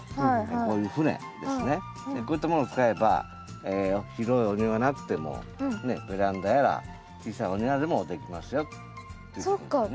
こういったものを使えば広いお庭なくてもベランダやら小さいお庭でもできますよっていうことですね。